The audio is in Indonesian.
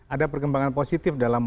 ada perkembangan positif dalam